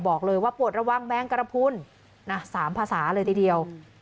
บอกเลยว่าปวดระวังแมงกระพุน๓ภาษาเลยทีเดียว